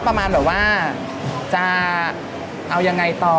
ประมาณแบบว่าจะเอายังไงต่อ